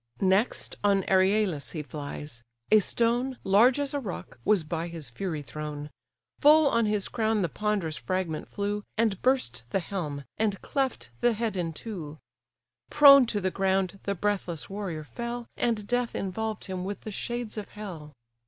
Next on Eryalus he flies; a stone, Large as a rock, was by his fury thrown: Full on his crown the ponderous fragment flew, And burst the helm, and cleft the head in two: Prone to the ground the breathless warrior fell, And death involved him with the shades of hell.